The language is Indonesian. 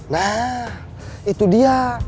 nah itu dia